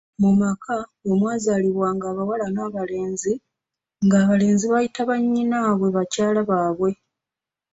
"Mu maka bwe mwazaalibwanga abawala n’abalenzi, nga abalenzi bayita bannyinaabwe bakyala baabwe."